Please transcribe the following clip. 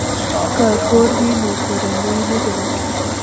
که کور وي نو کورنۍ نه جلا کیږي.